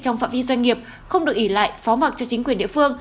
trong phạm vi doanh nghiệp không được ỉ lại phó mặt cho chính quyền địa phương